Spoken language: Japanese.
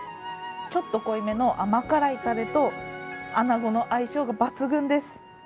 ちょっと濃いめの甘辛いたれとあなごの相性が抜群です。